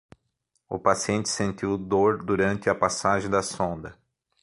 O paciente sentiu dor durante a passagem da sonda